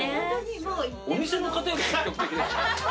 お店の方より積極的ですね。